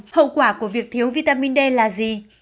hậu quả của việc thiếu vitamin d là gì